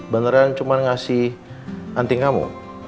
beneran cuma ngasih anting kamu